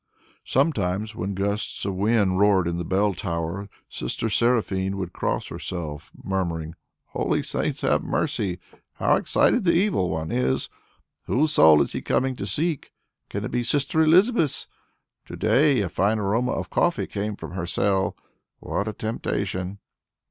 Sometimes, when gusts of wind roared in the bell tower, Sister Seraphine would cross herself, murmuring, "Holy saints have mercy! How excited the Evil One is! Whose soul is he coming to seek? Can it be Sister Elizabeth's? To day a fine aroma of coffee came from her cell. What a temptation!"